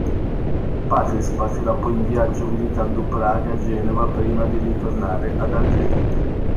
Patrice partirà poi in viaggio, visitando Praga e Genova, prima di ritornare ad Algeri.